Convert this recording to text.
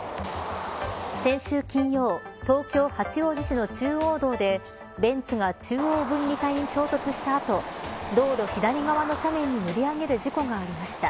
先週金曜東京八王子市の中央道でベンツが中央分離帯に衝突した後道路左側の斜面に乗り上げる事故がありました。